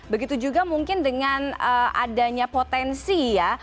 begitu juga mungkin dengan adanya potensi ya